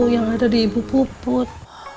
yang ada di ibu puput